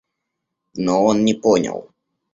Но он не понял.